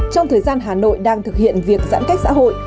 trong thời gian hà nội đang thực hiện việc giãn cách xã hội